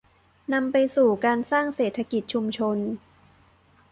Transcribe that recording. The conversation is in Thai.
นำไปสู่การสร้างเศรษฐกิจชุมชน